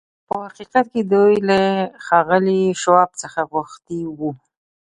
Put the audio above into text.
په حقيقت کې دوی له ښاغلي شواب څخه غوښتي وو.